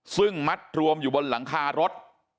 ซึ่งมัดรวมอยู่บนหลังคารถ